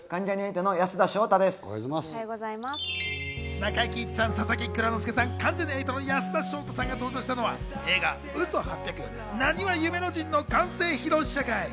中井貴一さん、佐々木蔵之介さん、関ジャニ∞の安田章大さんが登場したのは映画『嘘八百なにわ夢の陣』の完成披露試写会。